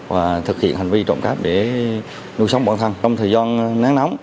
và thực hiện hành vi trộm cấp để nuôi sống bọn thân trong thời gian nắng nóng